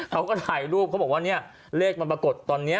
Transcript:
เขาก็ถ่ายรูปเขาบอกว่าเนี่ยเลขมันปรากฏตอนนี้